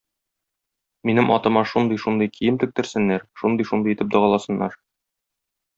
Минем атыма шундый-шундый кием тектерсеннәр, шундый-шундый итеп дагаласыннар.